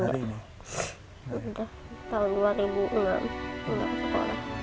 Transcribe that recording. tidak tahun dua ribu enam tidak sekolah